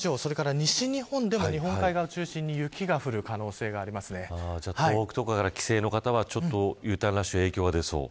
西日本でも日本海側を中心に東北とかから帰省の方はＵターンラッシュに影響が出そう。